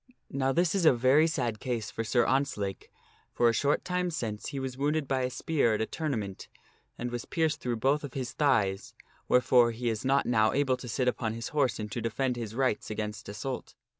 " Now this is a very sad case for Sir Ontzlake, for a short time since he was wounded by a spear at a tournament and was pierced through both of his thighs, wherefore he is not now able to sit upon his horse and to defend his rights against assault.